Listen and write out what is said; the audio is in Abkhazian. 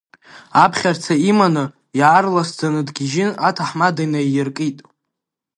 Аԥхьарца иманы иаарласӡаны дгьежьын, аҭаҳмада инаииркит.